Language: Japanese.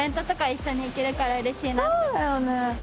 そうだよね。